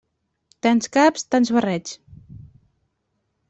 Tants caps, tants barrets.